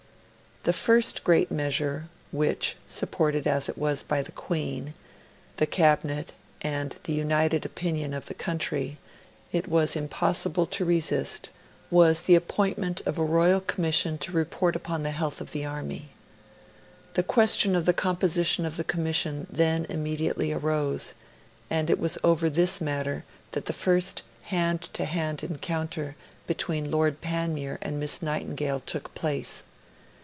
The first great measure, which, supported as it was by the Queen, the Cabinet, and the united opinion of the country, it was impossible to resist, was the appointment of a Royal Commission to report upon the health of the Army. The question of the composition of the Commission then immediately arose; and it was over this matter that the first hand to hand encounter between Lord Panmure and Miss Nightingale took place.